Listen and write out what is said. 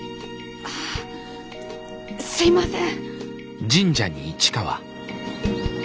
ああすいません。